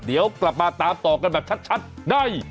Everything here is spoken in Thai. เดี๋ยวกลับมาตามต่อกันแบบชัดใน